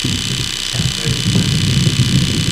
影響隊伍排名